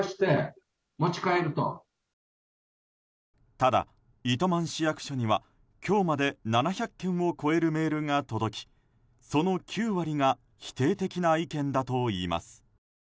ただ、糸満市役所には今日まで７００件を超えるメールが届きその９割が否定的な意見だといいます。